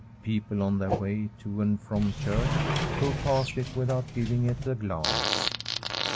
People on their way to and from church go past it without giving it a glance.